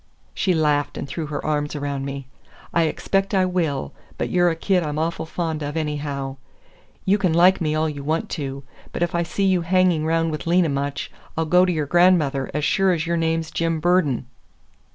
She laughed and threw her arms around me. "I expect I will, but you're a kid I'm awful fond of, anyhow! You can like me all you want to, but if I see you hanging round with Lena much, I'll go to your grandmother, as sure as your name's Jim Burden!